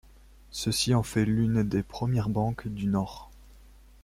Ceci en fait l'une des premières banques du Nord.